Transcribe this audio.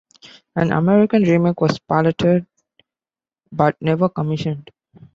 An American remake was piloted but never commissioned.